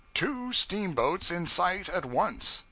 Two steamboats in sight at once!